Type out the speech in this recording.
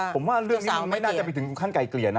ผมว่าเรื่องนี้มันไม่น่าจะไปถึงขั้นไกลเกลี่ยนะ